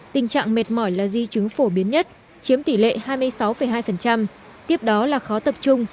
tình trạng mệt mỏi là di chứng phổ biến nhất chiếm tỷ lệ hai mươi sáu hai tiếp đó là khó tập trung